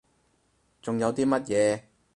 仲有啲乜嘢？